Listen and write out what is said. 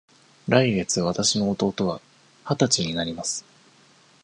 来月わたしの弟は二十歳になります。